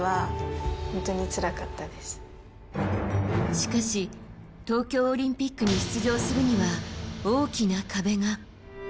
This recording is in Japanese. しかし東京オリンピックに出場するには大きな壁が。